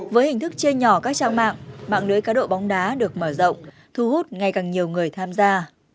với hình thức chia nhỏ các trang mạng mạng lưới cá độ bóng đá được mở rộng thu hút ngày càng nhiều người tham gia